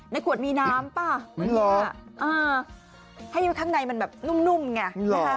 ในขวดมีน้ำป่ะหรออ่าให้ข้างในมันแบบนุ่มนุ่มไงหรอ